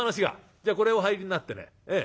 じゃあこれをお入りになってね